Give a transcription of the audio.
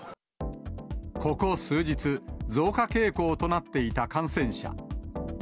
ここ数日、増加傾向となっていた感染者。